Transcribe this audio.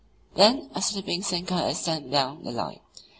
Then a slipping sinker is sent down the line.